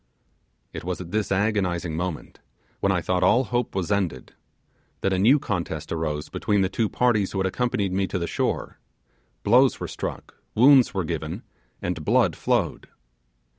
It was at this agonizing moment, when I thought all hope was ended, that a new contest arose between the two parties who had accompanied me to the shore; blows were struck, wounds were given, and blood flowed.